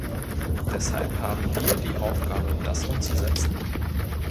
Deshalb haben wir die Aufgabe, das umzusetzen.